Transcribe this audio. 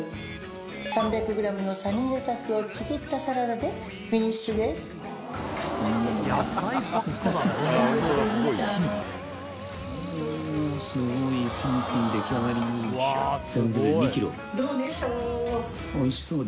３００ｇのサニーレタスをちぎったサラダでフィニッシュですホント？